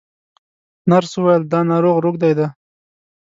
نرس وویل دا ناروغ روږدی دی.